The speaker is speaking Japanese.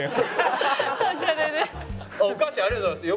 お菓子ありがとうございます。